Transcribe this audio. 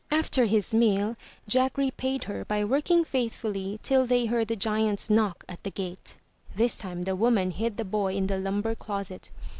After his meal. Jack repaid her by working faithfully till they heard the giant's knock at the gate. This time the woman hid the boy in the lumber closet.